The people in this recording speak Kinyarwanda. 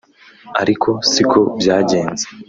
ariko siko byagenze